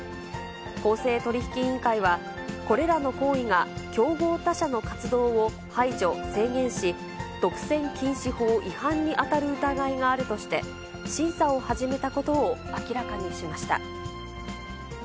公正取引委員会は、これらの行為が競合他社の活動を排除・制限し、独占禁止法違反に当たる疑いがあるとして、審査を始めたことを明らかにしました。